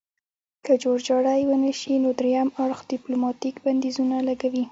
که جوړجاړی ونشي نو دریم اړخ ډیپلوماتیک بندیزونه لګوي